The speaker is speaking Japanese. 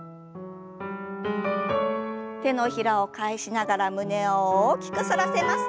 手のひらを返しながら胸を大きく反らせます。